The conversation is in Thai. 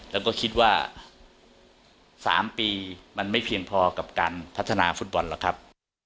แล้วก็คิดว่า๓ปีมันไม่เพียงพอกับการพัฒนาฟุตบอลหรอกครับ